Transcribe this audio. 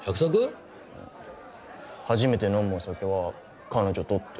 初めて飲むお酒は彼女とって。